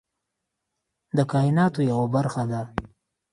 د کایناتو یوه برخه ده.